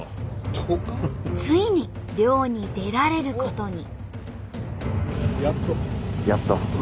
ついに漁に出られることに。